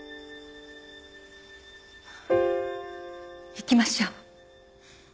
行きましょう。